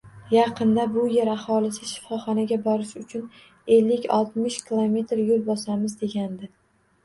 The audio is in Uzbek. Yaqinda bu yer aholisi shifoxonaga borish uchun ellik-oltmish km yo‘l bosamiz degandi